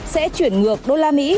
sẽ chuyển ngược đô la mỹ